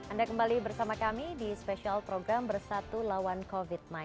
anda kembali bersama kami di spesial program bersatu lawan covid sembilan belas